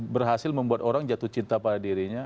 berhasil membuat orang jatuh cinta pada dirinya